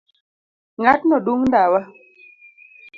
Ng'atno dung' ndawa